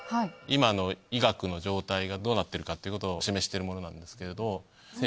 今の医学の状態がどうなってるかっていうことを示してるものなんですけれど。